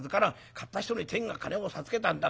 買った人に天が金を授けたんだ。